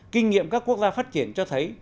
kinh nghiệm các quốc gia phát triển cho thấy